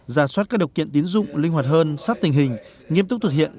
giả soát các độc kiện tiến dụng linh hoạt hơn sát tình hình nghiêm túc thực hiện